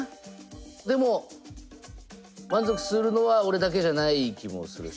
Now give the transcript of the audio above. でも満足するのは俺だけじゃない気もするし。